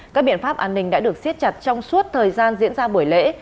các biện pháp an ninh đã được siết chặt trong suốt thời gian diễn ra buổi lễ